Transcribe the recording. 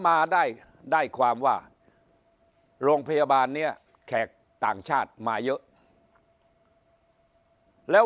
มาได้ได้ความว่าโรงพยาบาลเนี่ยแขกต่างชาติมาเยอะแล้ว